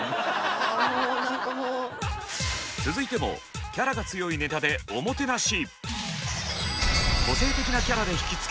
続いてもキャラが強いネタでおもてなし。